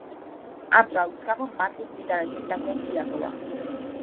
ამ ტრავმის გამო მარტიმ გიტარაზე დაკვრაც მიატოვა.